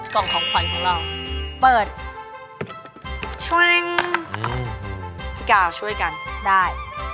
ส่งของขวัญของเรา